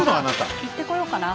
行ってこようかな。